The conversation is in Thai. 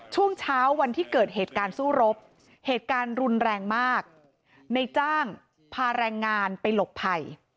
ช่วงเช้าวันที่เกิดเหตุการณ์สู้รบเหตุการณ์รุนแรงมากในจ้างพาแรงงานไปหลบภัย